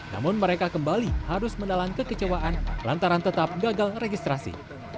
namun mereka kembali harus mendalang kekecewaan lantaran tetap gagal registrasi